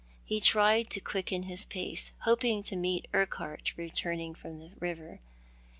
He tried to quicken his pace, hoping to meet Urquhart returning from the river.